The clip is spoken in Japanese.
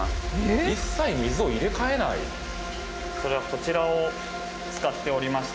それはこちらを使っておりまして